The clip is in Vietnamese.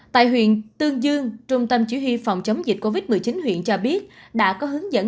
tại huyện tương dương trung tâm chỉ huy phòng chống dịch covid một mươi chín huyện cho biết đã có hướng dẫn